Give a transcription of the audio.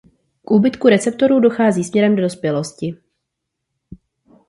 K úbytku receptorů dochází směrem do dospělosti.